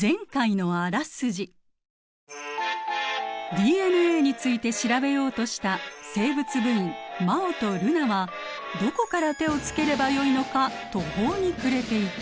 ＤＮＡについて調べようとした生物部員真旺と瑠菜はどこから手をつければよいのか途方に暮れていた。